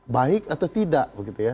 baik atau tidak